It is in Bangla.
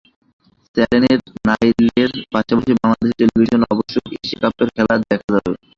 চ্যানেল নাইনের পাশাপাশি বাংলাদেশ টেলিভিশনেও অবশ্য এশিয়া কাপের খেলা দেখা যাবে।